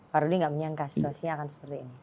pak rudy gak menyangka situasinya akan seperti ini